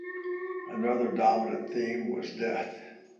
Another dominant theme was "death".